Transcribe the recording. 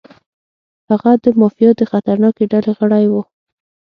هغه د مافیا د خطرناکې ډلې غړی و.